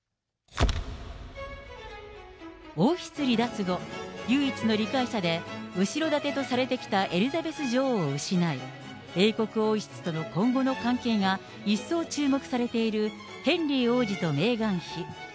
王室離脱後、唯一の理解者で、後ろ盾とされてきたエリザベス女王を失い、英国王室との今後の関係が一層注目されているヘンリー王子とメーガン妃。